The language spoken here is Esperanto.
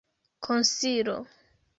konsilo